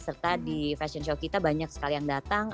serta di fashion show kita banyak sekali yang datang